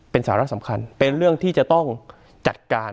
เป็นสาระสำคัญเป็นเรื่องที่จะต้องจัดการ